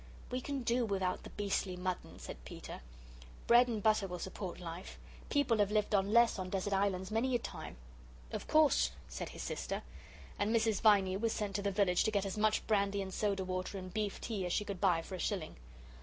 "We can do without the beastly mutton," said Peter; "bread and butter will support life. People have lived on less on desert islands many a time." "Of course," said his sister. And Mrs. Viney was sent to the village to get as much brandy and soda water and beef tea as she could buy for a shilling.